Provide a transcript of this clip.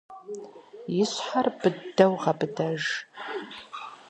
И щхьэр быдэу гъэбыдэж.